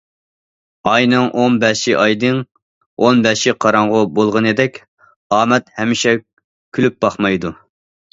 ئاينىڭ ئون بەشى ئايدىڭ، ئون بەشى قاراڭغۇ بولغىنىدەك، ئامەت ھەمىشە كۈلۈپ باقمايدۇ.